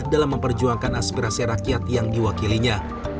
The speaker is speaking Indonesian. dalam memperjuangkan aspirasi rakyat yang diwakilinya